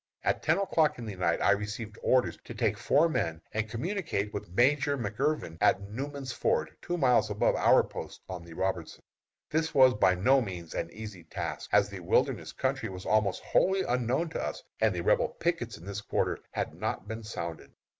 At ten o'clock in the night I received orders to take four men and communicate with Major McIrvin at Newman's Ford, two miles above our post on the Robertson. This was by no means an easy task, as the wilderness country was almost wholly unknown to us, and the Rebel pickets in this quarter had not been sounded.